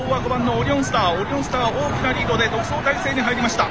オリオンスター大きなリードで独走態勢に入りました。